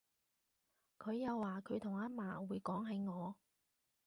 佢又話佢同阿嫲會講起我